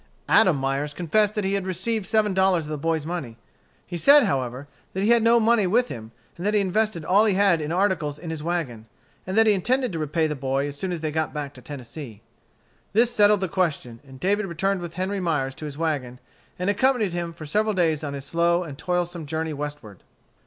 Adam Myers confessed that he had received seven dollars of the boy's money. He said, however, that he had no money with him; that he had invested all he had in articles in his wagon, and that he intended to repay the boy as soon as they got back to Tennessee. This settled the question, and David returned with Henry Myers to his wagon, and accompanied him for several days on his slow and toilsome journey westward.